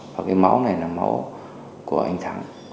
và cái máu này là máu của anh thắng